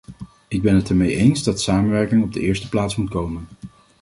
Ik ben het ermee eens dat samenwerking op de eerste plaats moet komen.